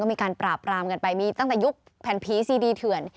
มีการปราบรามกันไปมีตั้งแต่ยุคแผ่นผีซีดีเถื่อน